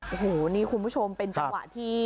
โอ้โหนี่คุณผู้ชมเป็นจังหวะที่